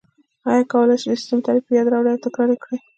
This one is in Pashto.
ایا کولای شئ د سیسټم تعریف په یاد راوړئ او تکرار یې کړئ؟